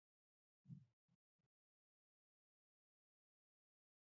زکام څنګه پیدا کیږي؟